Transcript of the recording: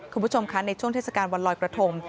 คุณผู้ชมคะในช่วงเทศกาลวันลอยกระทง